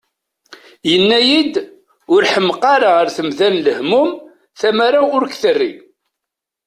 Yenna-iyi-d: « Ur ḥemmeq ara ɣer temda n lehmum, tamara ur k-terri!"